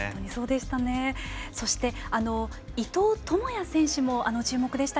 そして、伊藤智也選手も注目でした。